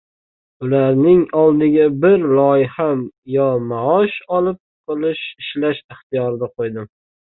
Ularning oldiga bir loyiha yo maosh olib ishlash ixtiyorini qoʻydim.